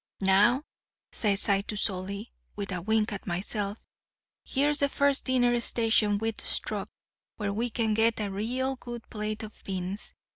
"'Now,' says I to Solly, with a wink at myself, 'here's the first dinner station we've struck where we can get a real good plate of beans.